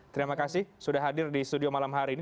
terima kasih sudah hadir di studio malam hari ini